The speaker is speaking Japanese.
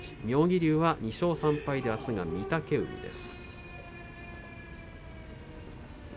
龍は２勝３敗であすは御嶽海です。